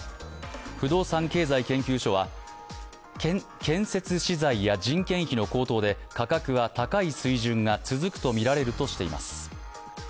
不動産経済研究所は、建設資材や人件費の高騰で価格は高い水準が続くとみられるとしています。